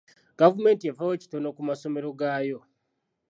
Gavumenti efaayo kitono ku masomero gaayo.